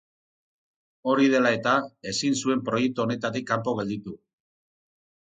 Hori dela eta, ezin zuen proiektu honetatik kanpo gelditu.